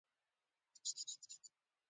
آیا که موږ داسې څیز پیدا کړ چې.